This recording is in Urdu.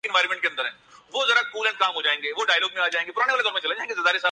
کورونا ہے یا نہیں ویکسین لگنی ہی لگنی ہے، ایسا کیوں